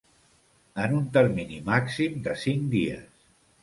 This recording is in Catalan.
En un termini màxim de cinc dies.